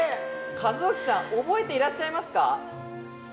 一さん覚えていらっしゃいますか？